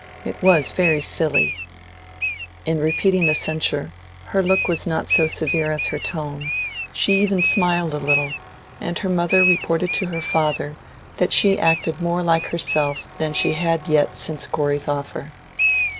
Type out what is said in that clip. It was very silly." In repeating the censure, her look was not so severe as her tone; she even smiled a little, and her mother reported to her father that she acted more like herself than she had yet since Corey's offer.